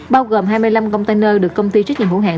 bao gồm hai mươi năm container được công ty trách nhiệm hữu hạng